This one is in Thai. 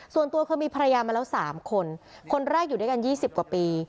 ส่วนตัวเคยมีภรรยามาแล้ว๓คนคนแรกอยู่ด้วยกัน๒๐กว่าปี